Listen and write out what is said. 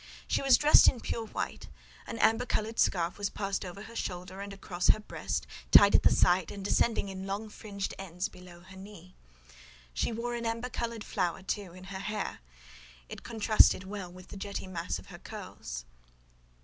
She was dressed in pure white; an amber coloured scarf was passed over her shoulder and across her breast, tied at the side, and descending in long, fringed ends below her knee. She wore an amber coloured flower, too, in her hair: it contrasted well with the jetty mass of her curls."